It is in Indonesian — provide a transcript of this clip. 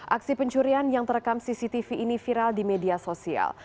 aksi pencurian yang terekam cctv ini viral di media sosial